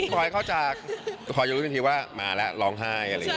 พอยเขาจะคอยจะรู้ทันทีว่ามาแล้วร้องไห้อะไรอย่างนี้